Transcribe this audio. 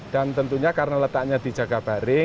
dan tentunya karena letaknya di jagabari